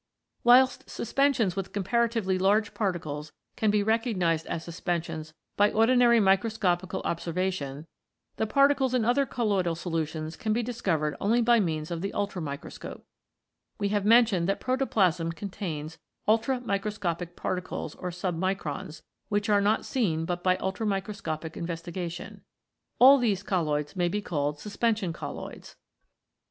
Whilst suspensions with comparatively large particles can be recognised as suspensions by ordinary microscopical observation, the particles in other colloidal solutions can be discovered only by means of the ultramicroscope. We have mentioned that protoplasm contains ultramicro scopic particles or submicrons, which are not seen but by ultramicroscopic investigation. All these 28 COLLOIDS IN PROTOPLASM colloids may be called Suspension Colloids.